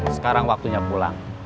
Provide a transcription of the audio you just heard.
sekarang waktunya pulang